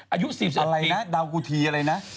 อายุ๔๑ปีอะไรนะดาวดี๊บอะไรนะ